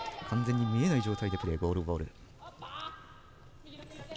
完全に見えない状態でプレーするゴールボール。